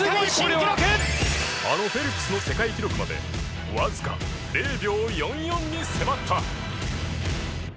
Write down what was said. あのフェルプスの世界記録までわずか０秒４４に迫った。